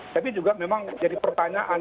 tapi juga memang jadi pertanyaan